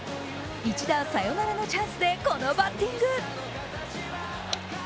１打サヨナラのチャンスでこのバッティング。